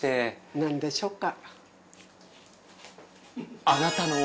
なんでしょうか？